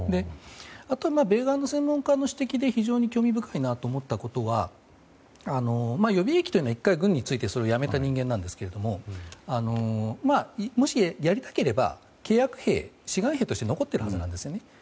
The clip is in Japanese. あとは、米側の専門家の指摘で非常に興味深いなと思ったことは予備役というのは１回軍に就いて辞めた人間なんですけどももしやりたければ、契約兵志願兵として残っているはずなんですよね。